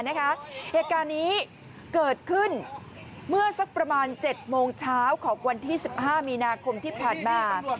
เหตุการณ์นี้เกิดขึ้นเมื่อสักประมาณ๗โมงเช้าของวันที่๑๕มีนาคมที่ผ่านมา